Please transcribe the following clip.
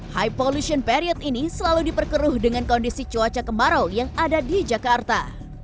high polusion period ini selalu diperkeruh dengan kondisi cuaca kemarau yang ada di jakarta